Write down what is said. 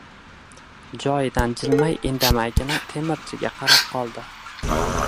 Joyidan jilmay indamaygina temirchiga qarab qoldi.